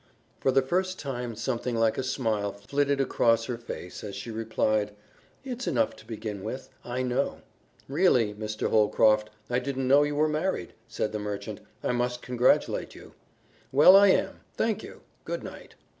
For the first time something like a smile flitted across her face as she replied, "It's enough to begin with. I know." "Really, Mr. Holcroft, I didn't know you were married," said the merchant. "I must congratulate you." "Well, I am. Thank you. Good night."